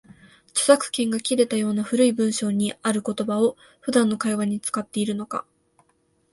著作権が切れたような古い文章にある言葉を、普段の会話に使っているのか